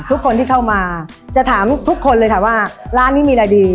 ทุกคนที่เข้ามาจะถามทุกคนเลยค่ะว่าร้านนี้มีอะไรดี